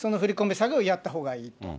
詐欺をやったほうがいいと。